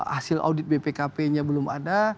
hasil audit bpkp nya belum ada